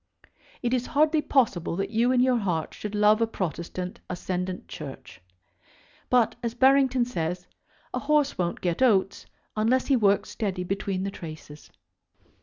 It is hardly possible that you in your heart should love a Protestant ascendant Church. But, as Barrington says, a horse won't get oats unless he works steady between the traces.